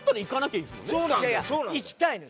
いやいや行きたいの。